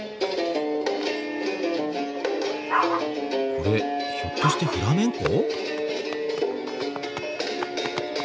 これひょっとしてフラメンコ？